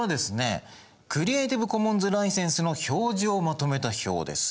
クリエイティブ・コモンズ・ライセンスの表示をまとめた表です。